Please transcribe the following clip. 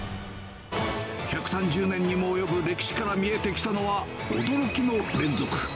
１３０年にも及ぶ歴史から見えてきたのは、驚きの連続。